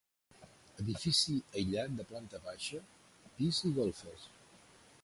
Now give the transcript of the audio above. Edifici aïllat de planta baixa, pis i golfes.